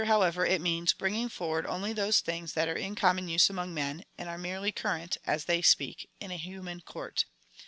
Here, however, it means — bringing forward only those things that are in com mon use among men, and are merely current (as they speak) in a human court.